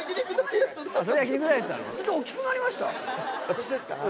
私ですか？